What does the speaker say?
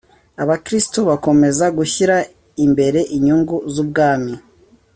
abakristo bakomeza gushyira imbere inyungu z’ ubwami